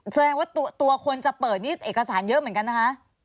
แสดงว่าตัวคนจะเปิดนี่เอกสารเยอะเหมือนกันนะคะ